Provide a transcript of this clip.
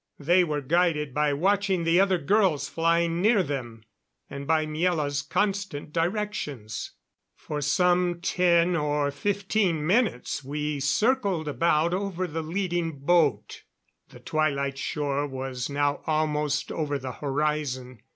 They were guided by watching the other girls flying near them, and by Miela's constant directions. For some ten or fifteen minutes we circled about over the leading boat. The Twilight shore was now almost over the horizon.